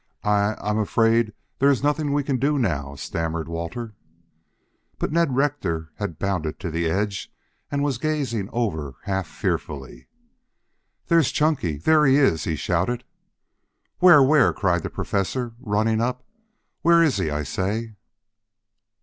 "I I am afraid there is nothing we can do now," stammered Walter. But Ned Rector had bounded to the edge and was gazing over half fearfully. "There's Chunky! There he is!" he shouted. "Where? Where?" cried the Professor, running up. "Where is he, I say?"